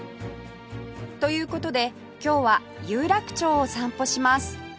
という事で今日は有楽町を散歩します